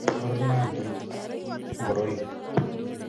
mogornonditab ngoroik